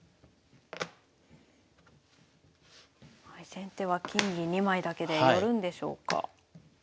先手は金銀２枚だけで寄るんでしょうか。